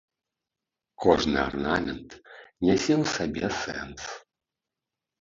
Кожны арнамент нясе ў сабе сэнс.